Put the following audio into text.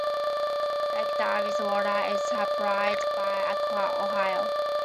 Lake Darby's water is supplied by Aqua Ohio.